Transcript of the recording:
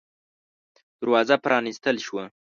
دروازه پرانستل شوه.